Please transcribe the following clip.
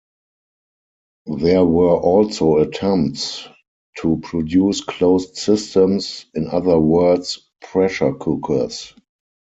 There were also attempts to produce closed systems, in other words "pressure cookers".